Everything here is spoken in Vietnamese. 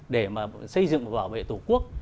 để mà xây dựng và bảo vệ tổ quốc